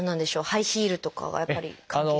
ハイヒールとかがやっぱり関係。